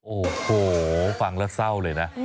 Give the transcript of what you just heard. โอ้โหฟังแล้วเศร้าเลยนะ